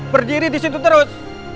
berdiri di situ terus